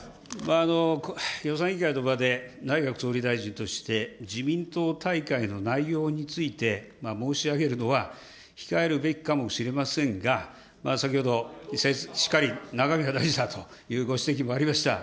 予算委員会の場で、内閣総理大臣として自民党大会の内容について、申し上げるのは控えるべきかもしれませんが、先ほどしかり、中身が大事だというご指摘ありました。